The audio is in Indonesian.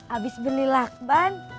abis beli lakban